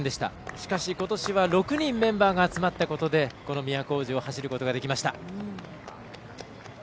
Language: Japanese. しかし、ことしは６人メンバーが集まったことでこの都大路を走ることができました。